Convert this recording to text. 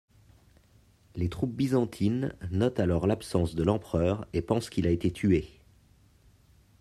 Les troupes byzantines notent alors l'absence de l'empereur et pensent qu'il a été tué.